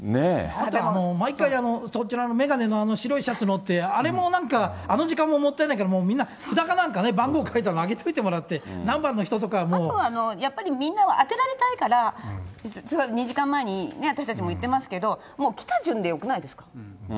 あと毎回、そちらの眼鏡のあの白いシャツのって、あれも、あの時間ももったいないから、もうみんな札かなんかね、番号書いたのつけてもらっあとはやっぱり、みんな当てられたいから、２時間前に、私たちも行ってますけど、もう来た順でよくないですか。